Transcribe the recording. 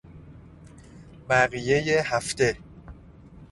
بقیهی هفته